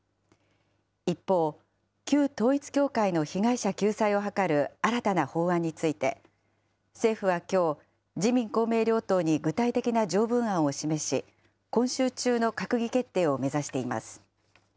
一方、旧統一教会の被害者救済を図る新たな法案について、政府はきょう、自民、公明両党に具体的な条文案を示し、今週中の閣議決定を目指しています。